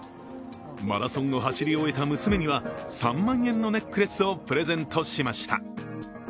マラソンを走り終えた娘には３万円のネックレスをプレゼントしました。